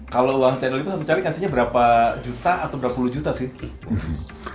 kalau uang cendol itu satu caleg berapa juta atau berapa puluh juta sih